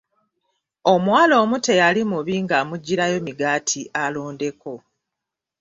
Omuwala omu teyali mubi ng'amuggyirayo migaati alondeko.